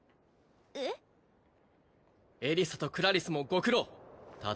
えっエリサとクラリスもご苦労ただ